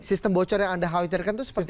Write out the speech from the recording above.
sistem bocor yang anda khawatirkan itu seperti apa